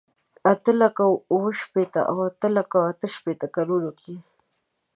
اته لکه اوه شپېته او اته لکه اته شپېته کلونو کې.